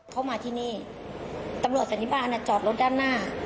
เข้ามาที่นี่ตำรวจสันติบาลจอดรถด้านหน้า